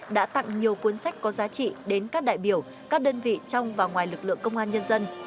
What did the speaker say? đã tặng nhiều cuốn sách có giá trị đến các đại biểu các đơn vị trong và ngoài lực lượng công an nhân dân